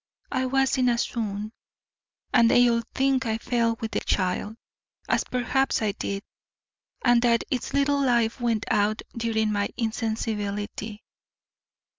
I was in a swoon, and they all think I fell with the child, as perhaps I did, and that its little life went out during my insensibility.